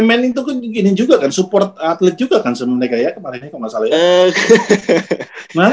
wmn itu kan gini juga kan support atlet juga kan semuanya kayak kemarinnya kok gak salah ya